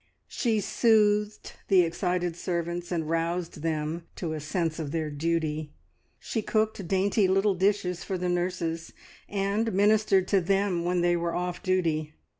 She soothed the excited servants and roused them to a sense of their duty. She cooked dainty little dishes for the nurses, and ministered to them when they were off duty.